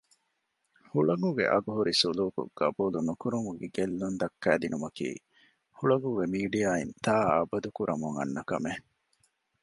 ހުޅަނގުގެ އަގުހުރި ސުލޫކު ގަބޫލު ނުކުރުމުގެ ގެއްލުން ދައްކައިދިނުމަކީ ހުޅަނގުގެ މީޑިއާއިން ތާއަބަދު ކުރަމުން އަންނަ ކަމެއް